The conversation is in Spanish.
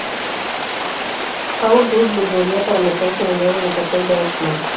Paul Rudd volvería para meterse de nuevo en el papel de Ant Man.